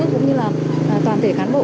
cũng như là toàn thể cán bộ